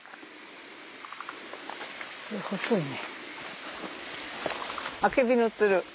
これ細いね。